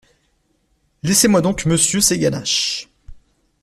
Laissez-moi donc, Monsieur, ces ganaches.